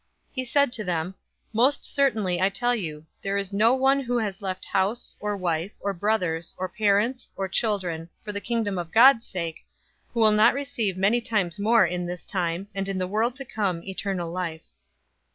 018:029 He said to them, "Most certainly I tell you, there is no one who has left house, or wife, or brothers, or parents, or children, for the Kingdom of God's sake, 018:030 who will not receive many times more in this time, and in the world to come, eternal life."